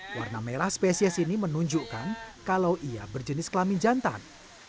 warna merah spesies ini menunjukkan kalau ia berjenis kelamin jantan